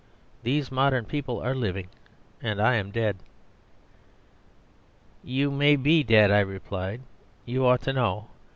These modern people are living and I am dead." "You may be dead," I replied. "You ought to know.